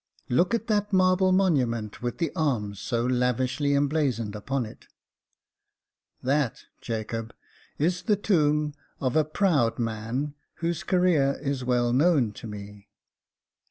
Look at that marble monument with the arms so lavishly emblazoned upon it. That, Jacob, is the tomb of a proud rtian, whose career is well known to me.